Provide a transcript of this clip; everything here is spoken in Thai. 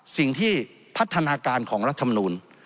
สิ่งที่พัฒนาการของรัฐมนูล